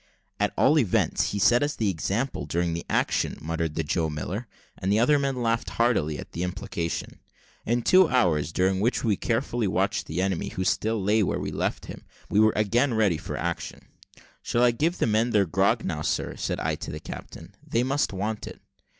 "At all events, he set us the example during the action," muttered the Joe Miller; and the other men laughed heartily at the implication. In two hours, during which we had carefully watched the enemy, who still lay where we left him, we were again ready for action. "Shall I give the men their grog now, sir?" said I, to the captain; "they must want it."